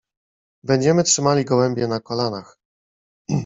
Będziemy trzymali gołębie na kolanach.